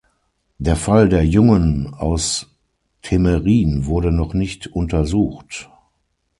Der Fall der Jungen aus Temerin wurde noch nicht untersucht.